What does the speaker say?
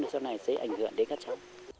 chỗ này sẽ ảnh hưởng đến các cháu